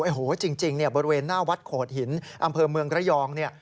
โอ้โหจริงบริเวณหน้าวัดโขดหินอำเภอเมืองระยอง